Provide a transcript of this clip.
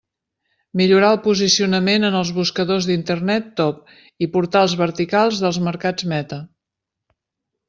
Millorar el posicionament en els buscadors d'internet TOP i portals verticals dels mercats meta.